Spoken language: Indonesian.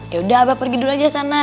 yaudah abah pergi dulu aja sana